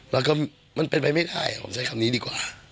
แล้วก็มันเป็นไปไม่ได้ผมใช้คำนี้ดีกว่า